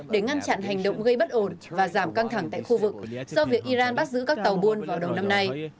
để ngăn chặn hành động gây bất ổn và giảm căng thẳng tại khu vực do việc iran bắt giữ các tàu buôn vào đầu năm nay